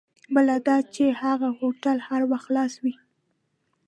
بله دا چې هغه هوټل هر وخت خلاص وي.